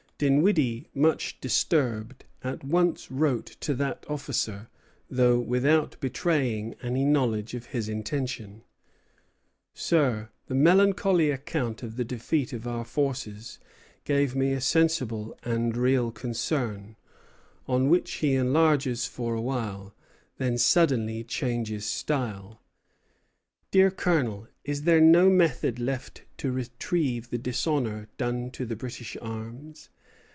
Dinwiddie, much disturbed, at once wrote to that officer, though without betraying any knowledge of his intention. "Sir, the melancholy account of the defeat of our forces gave me a sensible and real concern" on which he enlarges for a while; then suddenly changes style: "Dear Colonel, is there no method left to retrieve the dishonor done to the British arms?